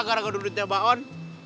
karena keduduknya baon